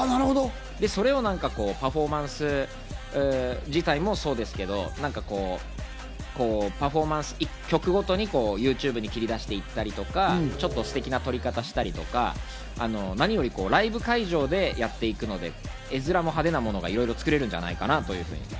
それをパフォーマンス自体もそうですけど、曲ごとにＹｏｕＴｕｂｅに切り出していったり、ちょっとステキな撮り方をしたり、何よりライブ会場でやっていくので絵ずらもこちらも派手なものが作れるんじゃないかなと。